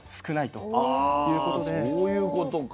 あそういうことか。